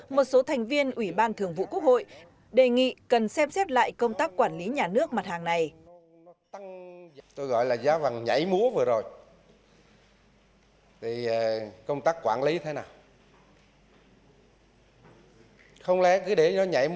một số thành viên ủy ban thường vụ quốc hội đề nghị cần xem xét lại công tác quản lý nhà nước mặt hàng này